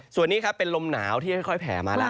ส่วนนี้ครับเป็นลมหนาวที่ค่อยแผ่มาแล้ว